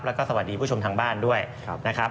แล้วก็สวัสดีผู้ชมทางบ้านด้วยนะครับ